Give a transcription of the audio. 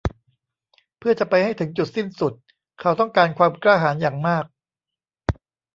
เพื่อจะไปให้ถึงจุดสิ้นสุด เขาต้องการความกล้าหาญอย่างมาก